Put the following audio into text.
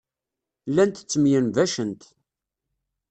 Llant ttemyenbacent.